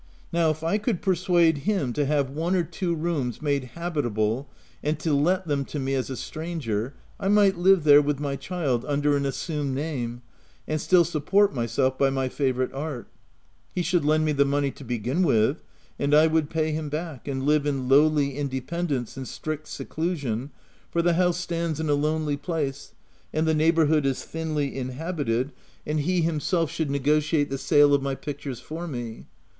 Now if I could persuade him to have one or two rooms made habitable and to let them to me as a stranger, I might live there, with my child, under an assumed name, and still support myself by my favourite art. He should lend me the money to begin with, and I would pay him back, and live in lowly independence and strict seclusion, for the house stands in a lonely place, and the neigh bourhood is thinly inhabited, and he himself VOL. III. E 74 THE TENANT should negotiate the sale of my pictures for me.